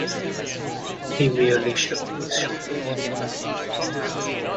He merely shrugged his shoulders.